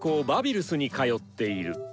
バビルスに通っている。